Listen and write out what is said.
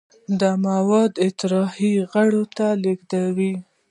دا مواد اطراحي غړو ته لیږدوي.